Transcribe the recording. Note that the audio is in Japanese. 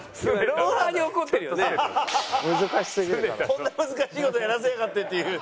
こんな難しい事やらせやがってっていう。